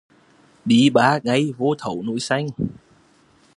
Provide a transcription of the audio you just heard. Đi ba ngay vô thấu núi xanh